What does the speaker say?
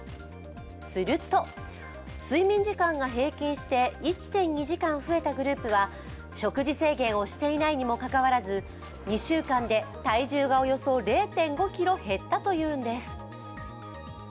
すると、睡眠時間が平均して１．２時間増えたグループは食事制限をしていないにも関わらず２週間で体重がおよそ０．５ｋｇ減ったというのです。